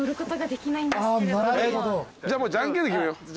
じゃあもうじゃんけんで決めよう。